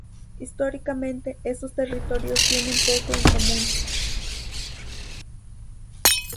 Históricamente, esos territorios tienen poco en común.